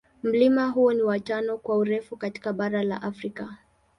Mlima huo ni wa tano kwa urefu katika bara la Afrika.